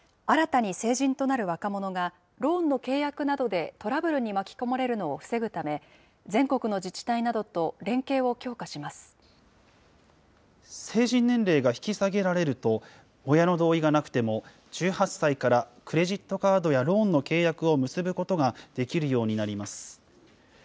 新たに成人となる若者が、ローンの契約などでトラブルに巻き込まれるのを防ぐため、全国の成人年齢が引き下げられると、親の同意がなくても、１８歳からクレジットカードやローンの契約を結ぶことができるようになります。